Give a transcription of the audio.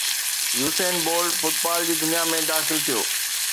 Usain Bolt football جي دنيا ۾ داخل ٿيو